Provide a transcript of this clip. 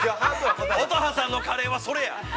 乙葉さんのカレーはそれや。